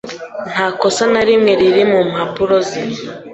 Nta kosa na rimwe riri mu mpapuro ze